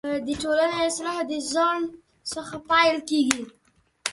دټولنۍ اصلاح دځان څخه پیل کیږې